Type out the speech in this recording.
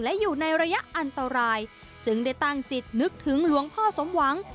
และอยู่ในระยะอันตรายจึงได้ตั้งจิตนึกถึงหลวงพ่อสมหวัง